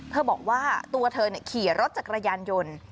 เธอบอกว่าตัวเธอเนี่ยขี่รถจักรยานยนต์